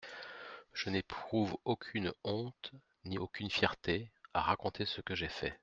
Je n'éprouve aucune honte, ni aucune fierté, à raconter ce que j'ai fait.